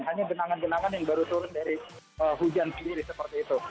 hanya genangan genangan yang baru turun dari hujan sendiri seperti itu